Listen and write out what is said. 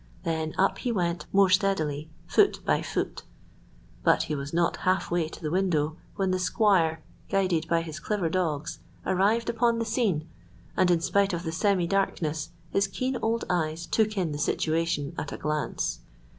Then up he went more steadily, foot by foot. But he was not half way to the window when the squire, guided by his clever dogs, arrived upon the scene, and in spite of the semi darkness his keen old eyes took in the situation at a glance.